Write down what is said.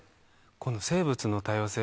この生物の多様性